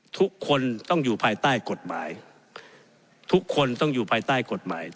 ทุกคนต้องอยู่ภายใต้กฎหมายทุกคนต้องอยู่ภายใต้กฎหมาย